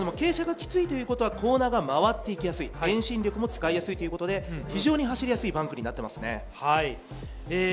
傾斜がきついということはコーナーが回っていきやすい、遠心力も使いやすいので非常に走りやすいバンクになっていますね。